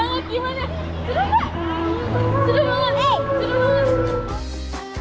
eh kita dandan dulu yuk sebelum lanjut main